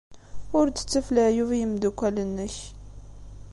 Ur d-ttaf leɛyub i yimeddukal-nnek.